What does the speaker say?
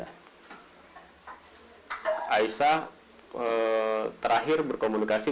kalau aisyah terakhir berkomunikasi